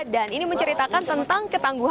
dan ini menceritakan tentang ketentuan